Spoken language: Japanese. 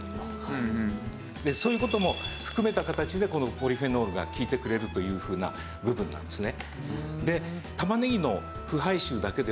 そういう事も含めた形でこのポリフェノールが効いてくれるというふうな部分なんですね。